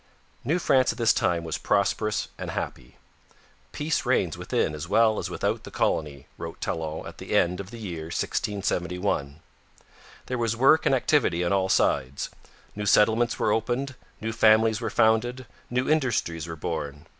New France at this time was prosperous and happy. 'Peace reigns within as well as without the colony,' wrote Talon at the end of the year 1671. There was work and activity on all sides. New settlements were opened, new families were founded, new industries were born.